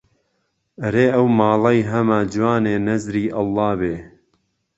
ئهرێ ئهو ماڵهی ههمه جوانێ نهزری ئهڵڵا بێ